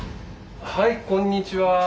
はいこんにちは。